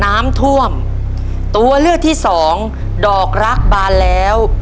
น้ำท่วมตัวเลือกที่สองดอกรักบานแล้ว